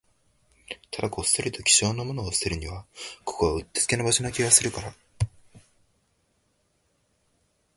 ただ、こっそりと貴重なものを捨てるには、ここはうってつけな場所な気がするから